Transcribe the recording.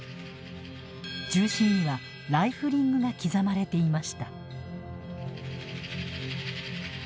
銃身にはライフリングが刻まれていました。